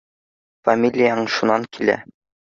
—Фамилияң шунан килә